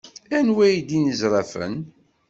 Anwi ay d inezrafen?